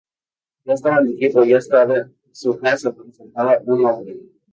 Ya estaba el equipo y ya estaba su casa, pero faltaba un nombre.